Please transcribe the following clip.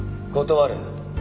断る！